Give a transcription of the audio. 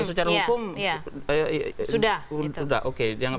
kalau secara hukum